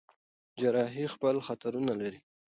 جراحي خپل خطرونه لري.